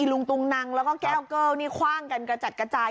ลุงตุงนังแล้วก็แก้วเกิ้ลนี่คว่างกันกระจัดกระจาย